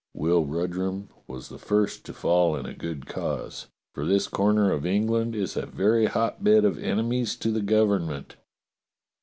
Will Rudrum was the first to fall in a good cause, for this AN ATTORNEY FROM RYE 219 comer of England is a very hotbed of enemies to the government.